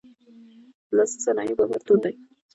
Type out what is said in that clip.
د لاسي صنایعو بازار تود دی.